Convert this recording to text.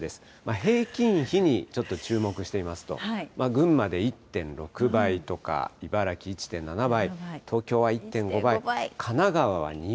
平均比にちょっと注目してみますと、群馬で１．６倍とか、茨城、１．７倍、東京は１．５倍、神奈